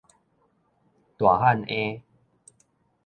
大漢嬰